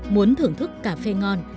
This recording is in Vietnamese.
muốn thưởng thức cà phê ngon